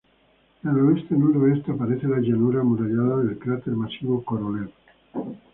Al oeste-noroeste aparece la llanura amurallada del cráter masivo Korolev.